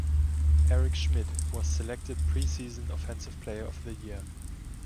Eric Schmid was selected preseason offensive player of the year.